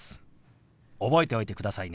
覚えておいてくださいね。